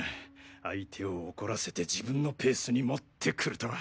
相手を怒らせて自分のペースにもってくるとは。